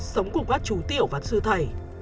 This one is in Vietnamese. sống cùng các chú tiểu và sư thầy